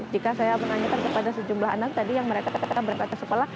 jika saya menanyakan kepada sejumlah anak tadi yang mereka katakan berangkat ke sekolah